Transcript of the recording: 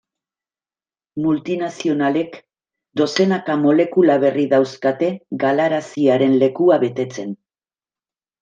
Multinazionalek dozenaka molekula berri dauzkate galaraziaren lekua betetzen.